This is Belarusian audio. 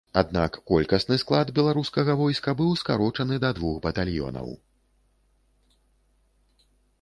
Аднак, колькасны склад беларускага войска быў скарочаны да двух батальёнаў.